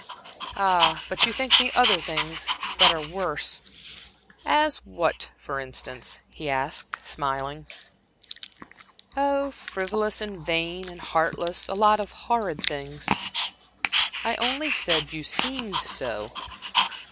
"Ah, but you think me other things that are worse." "As what, for instance?" he asked, smiling. "Oh frivolous, and vain, and heartless. A lot of horrid things." "I only said you seemed so."